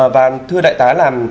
và thưa đại tá là